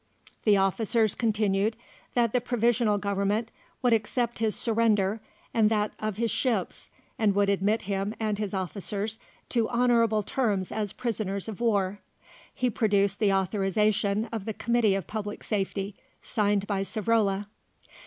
The officers continued that the Provisional Government would accept his surrender and that of his ships, and would admit him and his officers to honourable terms as prisoners of war. He produced the authorisation of the Committee of Public Safety, signed by Savrola.